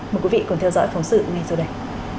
mời quý vị cùng theo dõi phóng sự ngay sau đây